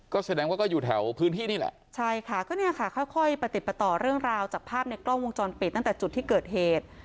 ก็แสดงว่าก็อยู่แถวพื้นที่นี่แหละใช่ค่ะก็เนี่ยค่ะค่อยค่อยประติดประต่อเรื่องราวจากภาพในกล้องวงจรปิดตั้งแต่จุดที่เกิดเหตุ